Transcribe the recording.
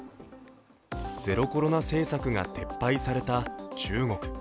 ゼロコロナ政策が撤廃された中国。